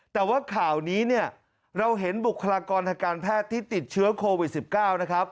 แต่ว่าข่าวนี้เนี่ยเราเห็นบุคลากรทางการแพทย์ที่ติดเชื้อโควิด๑๙นะครับ